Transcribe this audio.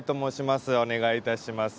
お願いいたします。